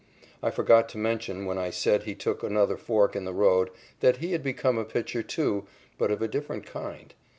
I forgot to mention, when I said he took another fork in the road, that he had become a pitcher, too, but of a different kind.